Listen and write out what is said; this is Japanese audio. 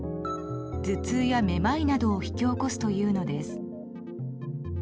頭痛やめまいなどを引き起こすというのです。